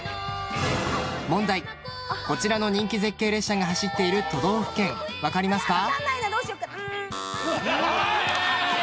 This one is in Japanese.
問題、こちらの人気絶景列車が走っている都道府県分かりますか？